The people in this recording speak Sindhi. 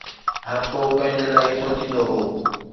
هر ڪو پنهنجي لاءِ ئي سوچيندو هو